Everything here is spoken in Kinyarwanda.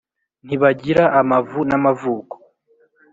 ntibagira amavu n’ amavuko